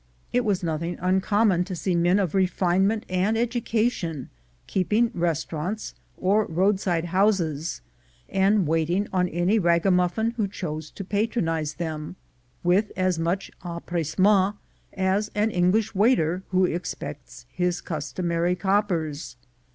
It was nothing uncommon to see men of refinement and education keeping restaurants or road side houses, and waiting on any ragamuffin who chose to patronize them, with as much empressement as an English waiter who expects his customary' coppers.